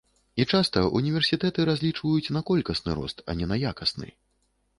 І часта ўніверсітэты разлічваюць на колькасны рост, а не якасны.